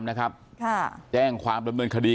แม่ขี้หมาเนี่ยเธอดีเนี่ยเธอดีเนี่ยเธอดีเนี่ย